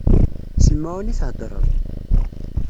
S lemɛun i theddreḍ?